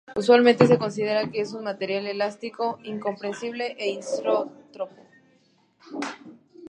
Usualmente se considera que es un material elástico incompresible e isótropo.